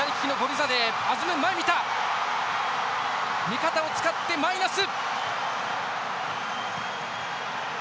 味方を使ってマイナス！